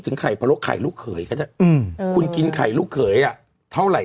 คุณกินไข่ลูกเขยคำถาม